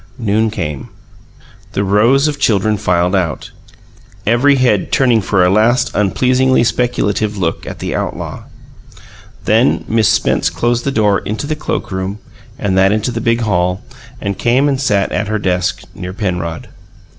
Noon came. The rows of children filed out, every head turning for a last unpleasingly speculative look at the outlaw. Then Miss Spence closed the door into the cloakroom and that into the big hall, and came and sat at her desk, near Penrod.